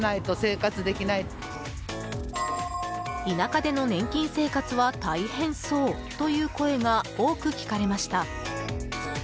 田舎での年金生活は大変そうという声が多く聞かれました。